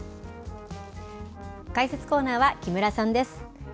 解説コーナーは木村さんです。